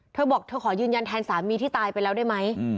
เธอบอกเธอขอยืนยันแทนสามีที่ตายไปแล้วได้ไหม